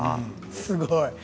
すごい。